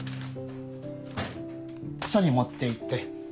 署に持って行って。